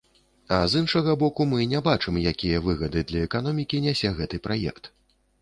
А з іншага боку, мы не бачым, якія выгады для эканомікі нясе гэты праект.